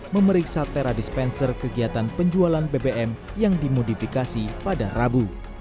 memeriksa teradispenser kegiatan penjualan bbm yang dimodifikasi pada rabu